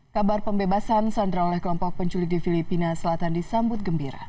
kabar pembebasan sandra oleh kelompok penculik di filipina selatan disambut gembira